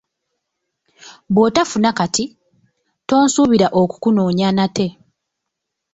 Bw’otanfuna kati, tonsuubira okukunoonya nate.